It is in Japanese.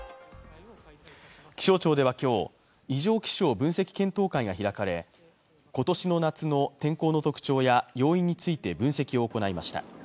気象庁では今日、異常気象分析検討会が開かれ、今年の夏の天候の特徴や要因について分析を行いました。